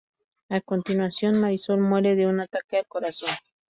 A continuación, Marisol muere de un ataque al corazón.